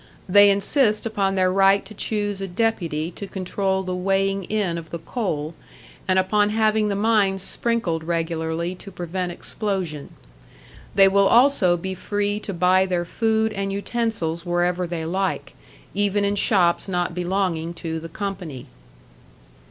They insist upon their right to choose a deputy to control the weighing in of the coal, and upon having the mines sprinkled regularly to prevent explosion. They will also be free to buy their food and utensils wherever they like, even in shops not belonging to the Company.